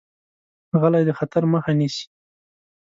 غلی، د خطر مخه نیسي.